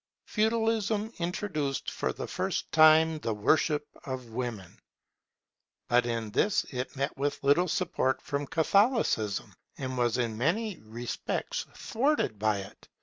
Feudalism introduced for the first time the worship of Woman. But in this it met with little support from Catholicism, and was in many respects thwarted by it.